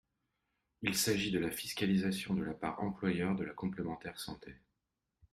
Il s’agit de la fiscalisation de la part employeur de la complémentaire santé.